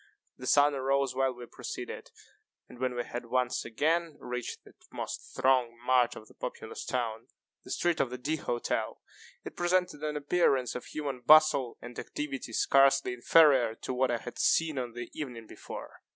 The sun arose while we proceeded, and, when we had once again reached that most thronged mart of the populous town, the street of the D__ Hotel, it presented an appearance of human bustle and activity scarcely inferior to what I had seen on the evening before.